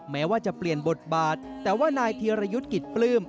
แม้ว่าจะเปลี่ยนบทบาทแต่ว่านายธีรยุทธ์กิจปลื้ม